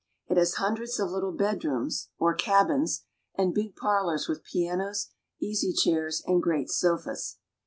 It has hundreds of little bedrooms or cabins, and big parlors with pianos, easy chairs, and great sofas.